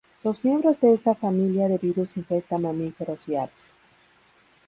Los miembros de esta familia de virus infectan mamíferos y aves.